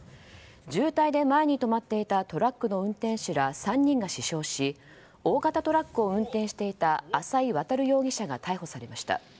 渋滞で前に止まっていたトラックの運転手ら３人が死傷し大型トラックを運転していた浅井渉容疑者が逮捕されました。